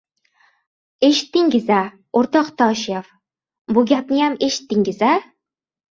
— Eshitdingiz-a, o‘rtoq Toshev? Bu gapniyam eshitdingiz-a?